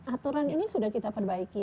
aturan ini sudah kita perbaiki